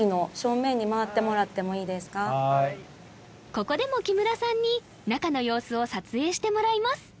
ここでも木村さんに中の様子を撮影してもらいます